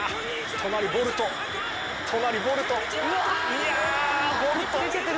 隣ボルト！いやボルト！